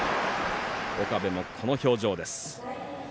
岡部もこの表情でした。